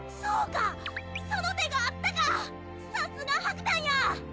そうかその手があったかさすがはぐたんや！